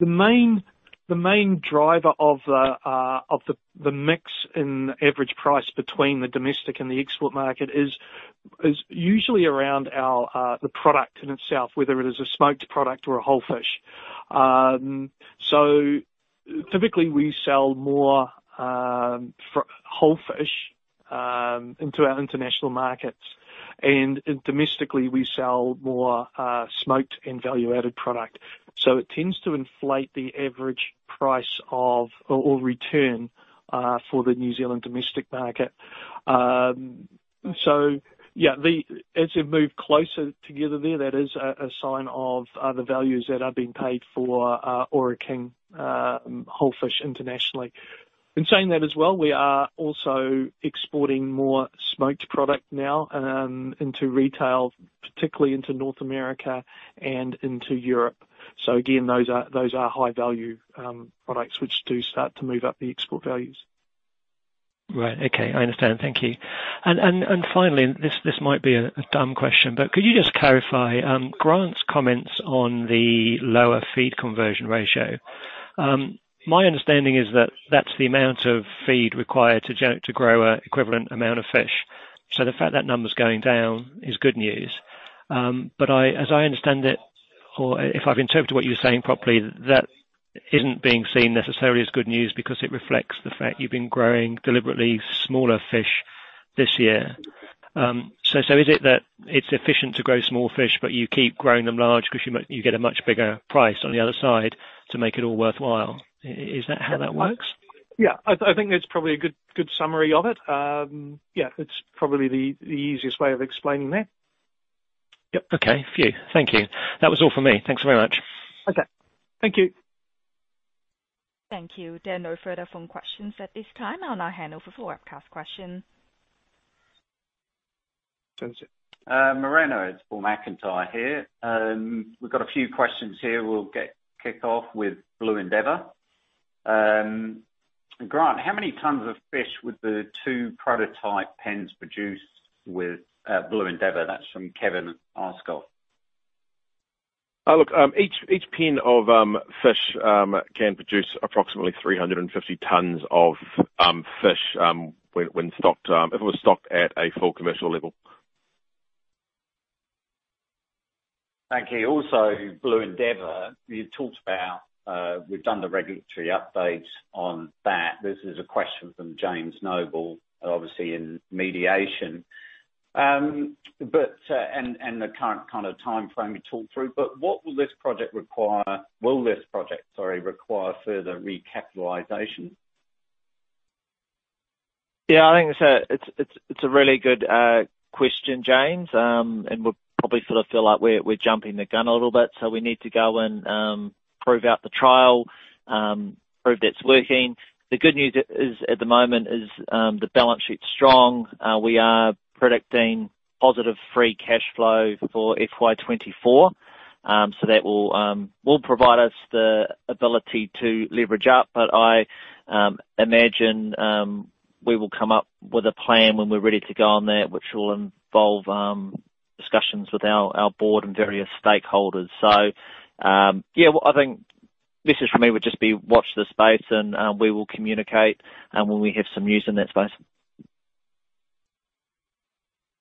Speaker 4: The main, the main driver of the mix in average price between the domestic and the export market is usually around our the product in itself, whether it is a smoked product or a whole fish. Typically, we sell more whole fish into our international markets. Domestically, we sell more smoked and value-added product. It tends to inflate the average price of, or return for the New Zealand domestic market. Yeah, as we move closer together there, that is a sign of the values that are being paid for Ōra King whole fish internationally. In saying that as well, we are also exporting more smoked product now into retail, particularly into North America and into Europe. again, those are high-value products which do start to move up the export values.
Speaker 7: Right. Okay, I understand. Thank you. Finally, this might be a dumb question, but could you just clarify Grant's comments on the lower feed conversion ratio? My understanding is that that's the amount of feed required to grow an equivalent amount of fish. The fact that number's going down is good news. I, as I understand it, or if I've interpreted what you're saying properly, that isn't being seen necessarily as good news because it reflects the fact you've been growing deliberately smaller fish this year. So is it that it's efficient to grow small fish, but you keep growing them large because you get a much bigger price on the other side to make it all worthwhile? Is that how that works?
Speaker 4: Yeah. I think that's probably a good summary of it. Yeah, it's probably the easiest way of explaining that.
Speaker 7: Yep. Okay. Phew. Thank you. That was all for me. Thanks very much.
Speaker 4: Okay. Thank you.
Speaker 1: Thank you. There are no further phone questions at this time. I'll now hand over for webcast questions.
Speaker 4: Thanks.
Speaker 8: Moreno, it's Paul McIntyre here. We've got a few questions here. We'll kick off with Blue Endeavour. "Grant, how many tons of fish would the two prototype pens produce with Blue Endeavour?" That's from Kevin Ascot.
Speaker 2: Look, each pen of fish can produce approximately 350 tons of fish when stocked if it was stocked at a full commercial level.
Speaker 8: Thank you. Blue Endeavour, you talked about, we've done the regulatory updates on that. This is a question from James Noble, obviously in mediation. The current kinda timeframe you talked through, but what Will this project, sorry, require further recapitalization?
Speaker 3: Yeah, I think it's a really good question, James. We'll probably sort of feel like we're jumping the gun a little bit. We need to go and prove out the trial, prove that's working. The good news is, at the moment is, the balance sheet's strong. We are predicting positive free cash flow for FY 2024. That will provide us the ability to leverage up. I imagine we will come up with a plan when we're ready to go on that which will involve discussions with our board and various stakeholders. Yeah, what I think this is for me, would just be watch this space and we will communicate when we have some news in that space.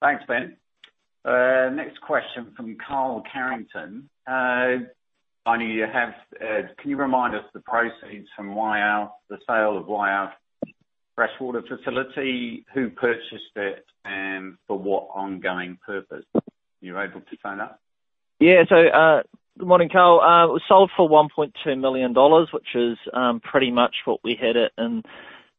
Speaker 8: Thanks, Ben. Next question from Carl Carrington. "I know you have, can you remind us the proceeds from Waiau, the sale of Waiau Freshwater facility, who purchased it, and for what ongoing purpose? You able to sign up?"
Speaker 3: Good morning, Carl. It was sold for 1.2 million dollars, which is pretty much what we had it in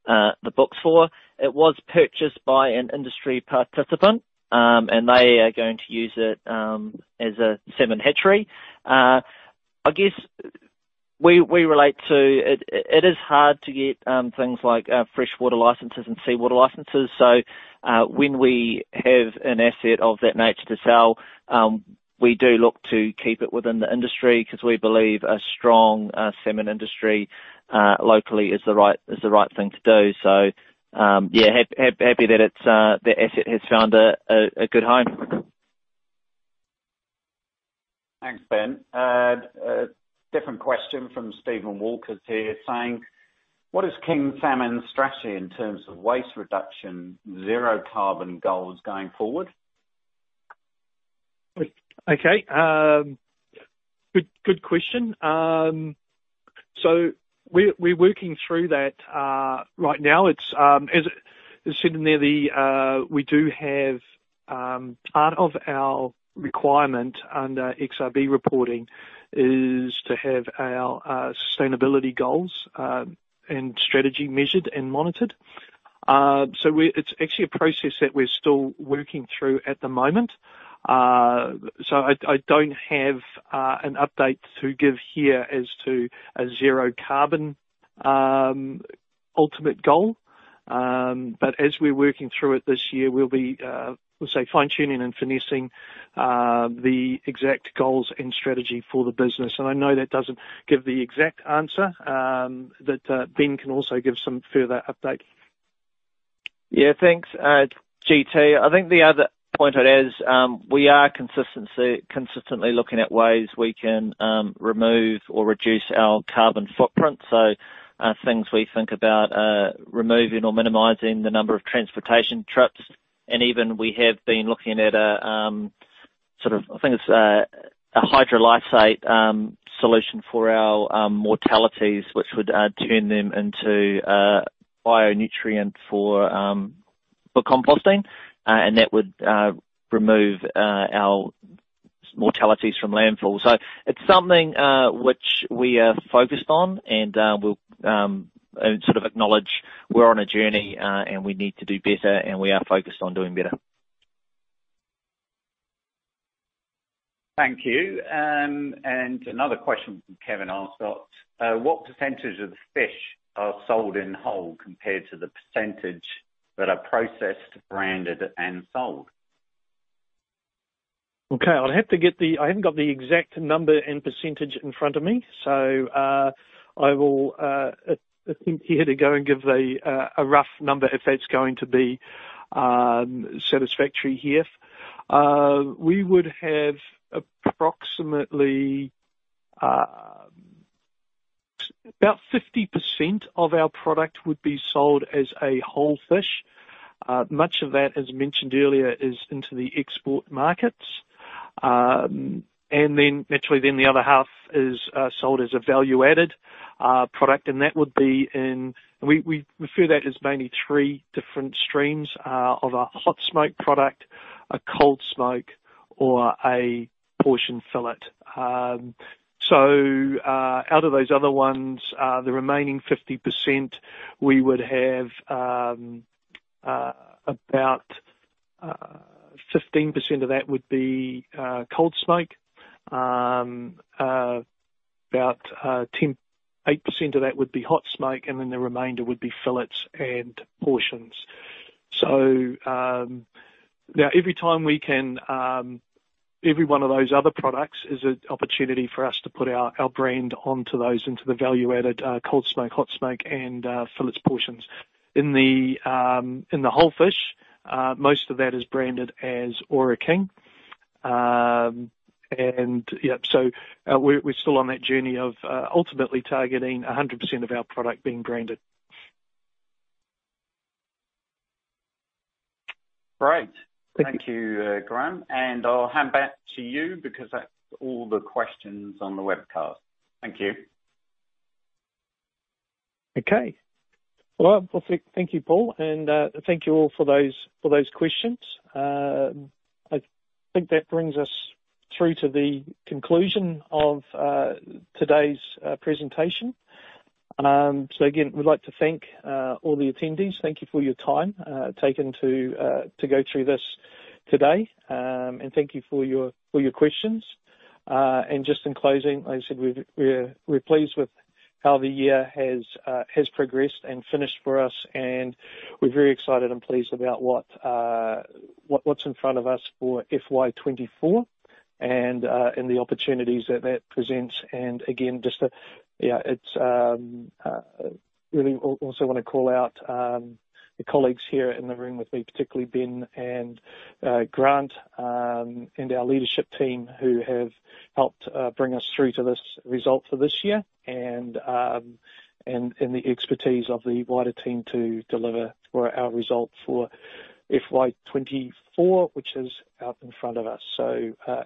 Speaker 3: the books for. It was purchased by an industry participant, and they are going to use it as a salmon hatchery. I guess we relate to it. It is hard to get things like freshwater licenses and seawater licenses. When we have an asset of that nature to sell. We do look to keep it within the industry because we believe a strong salmon industry locally is the right thing to do. Yeah, happy that it's that asset has found a good home.
Speaker 8: Thanks, Ben. different question from Steven Walker here saying, "What is King Salmon's strategy in terms of waste reduction, zero carbon goals going forward?"
Speaker 4: Okay. Good, good question. We're working through that right now. It's, as you said in there, the part of our requirement under XRB reporting is to have our sustainability goals and strategy measured and monitored. It's actually a process that we're still working through at the moment. I don't have an update to give here as to a zero carbon ultimate goal. As we're working through it this year, we'll be, let's say, fine-tuning and finessing the exact goals and strategy for the business. I know that doesn't give the exact answer. Ben can also give some further update.
Speaker 3: Yeah, thanks, GT. I think the other point I'd add is, we are consistently looking at ways we can remove or reduce our carbon footprint. Things we think about are removing or minimizing the number of transportation trips. Even we have been looking at a sort of, I think, it's a hydrolysate solution for our mortalities, which would turn them into bio-nutrient for composting, and that would remove our mortalities from landfill. It's something which we are focused on and we'll and sort of acknowledge we're on a journey and we need to do better, and we are focused on doing better.
Speaker 8: Thank you. Another question from Kevin Ascot. "What percentage of the fish are sold in whole compared to the percentage that are processed, branded, and sold?"
Speaker 4: I haven't got the exact number and percentage in front of me. I will attempt here to give a rough number if that's going to be satisfactory here. We would have approximately 50% of our product would be sold as a whole fish. Much of that, as mentioned earlier, is into the export markets. Then naturally the other half is sold as a value-added product, and that would be in. We refer that as mainly three different streams of a hot smoke product, a cold smoke, or a portion fillet. Out of those other ones, the remaining 50% we would have about 15% of that would be cold smoke 8% of that would be hot smoke, and then the remainder would be fillets and portions. Every time we can, every one of those other products is an opportunity for us to put our brand onto those into the value-added, cold smoke, hot smoke and, fillets portions. In the whole fish, most of that is branded as Ōra King. We're still on that journey of ultimately targeting 100% of our product being branded.
Speaker 8: Great.
Speaker 4: Thank you.
Speaker 8: Thank you, Graeme, and I'll hand back to you because that's all the questions on the webcast. Thank you.
Speaker 4: Okay. Well, thank you, Paul, and thank you all for those, for those questions. I think that brings us through to the conclusion of today's presentation. Again, we'd like to thank all the attendees. Thank you for your time taken to go through this today. Thank you for your, for your questions. Just in closing, like I said, we're pleased with how the year has progressed and finished for us, and we're very excited and pleased about what's in front of us for FY 2024 and the opportunities that that presents. Again, just to... Yeah, it's really also wanna call out, the colleagues here in the room with me, particularly Ben and Grant, and our leadership team who have helped bring us through to this result for this year and the expertise of the wider team to deliver for our result for FY 2024, which is out in front of us.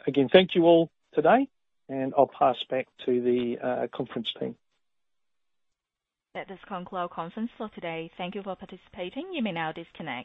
Speaker 4: Again, thank you all today, and I'll pass back to the conference team.
Speaker 1: That does conclude our conference for today. Thank you for participating. You may now disconnect.